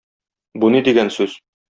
Бу ни дигән сүз?